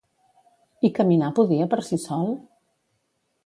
I caminar podia per si sol?